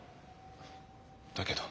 だけど。